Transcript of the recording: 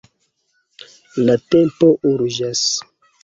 La tempo urĝas.